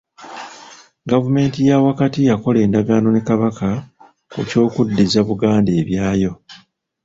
Gavumenti ya wakati yakola endagaano ne Kabaka ku by'okuddiza Buganda ebyayo.